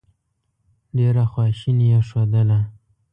ډېره خواشیني یې ښودله.